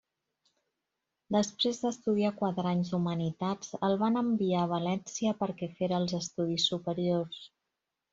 Després d'estudiar quatre anys d'humanitats, el van enviar a València perquè fera els estudis superiors.